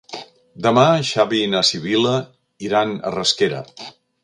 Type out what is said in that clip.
Demà en Xavi i na Sibil·la iran a Rasquera.